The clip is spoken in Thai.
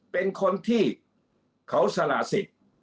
เป็นคนที่เขาสละสิทธิ์